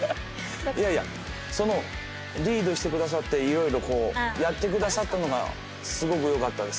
いやいやそのリードしてくださって色々こうやってくださったのがすごくよかったです。